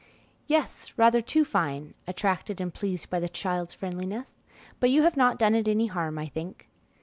"Yes, rather too fine," attracted and pleased by the child's friendliness; "but you have not done it any harm, I think."